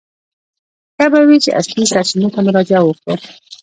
ښه به وي چې اصلي سرچینو ته مراجعه وکړو.